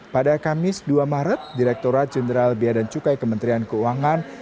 pada kamis dua maret direkturat jenderal bia dan cukai kementerian keuangan